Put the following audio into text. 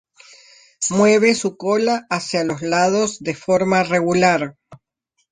Mueve su cola hacia los lados de forma regular.